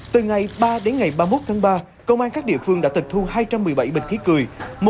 từ ngày ba đến ngày ba mươi một tháng ba công an các địa phương đã tịch thu hai trăm một mươi bảy bình khí cười